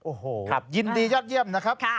โอ้โหยินดียอดเยี่ยมนะครับ